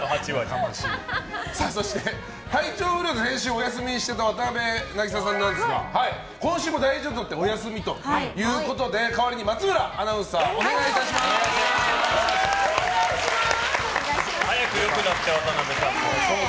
そして体調不良で先週お休みしてた渡邊渚さんですが今週も大事を取ってお休みということで代わりに松村アナウンサー早く良くなって、渡邊さんも。